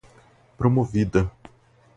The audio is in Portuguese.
promovida